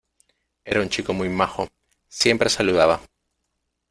Era un chico muy majo, siempre saludaba.